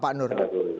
apa pak nur